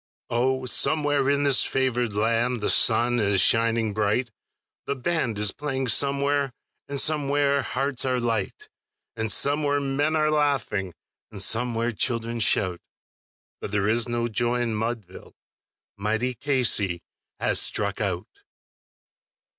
Oh, somewhere in this favoured land the sun is shining bright, The band is playing somewhere, and somewhere hearts are light, And somewhere men are laughing, and somewhere children shout; But there is no joy in Mudville mighty Casey has struck out.